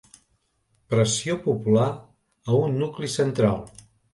Pressió popular a un nucli central.